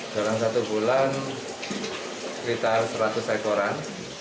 dalam satu bulan kita harus seratus ekoran